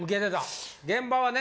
現場はね。